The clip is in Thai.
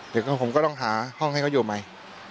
เดี๋ยวผมก็ต้องหาห้องให้เขาอยู่ใหม่